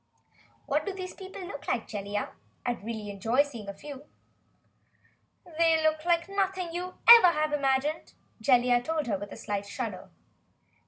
"What do these people look like, Jellia?" she asked curiously. "Really I'd enjoy seeing a few." "They look like nothing you ever have imagined!" Jellia told her with a slight shudder.